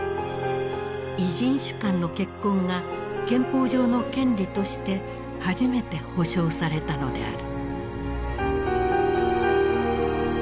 異人種間の結婚が憲法上の権利として初めて保障されたのである。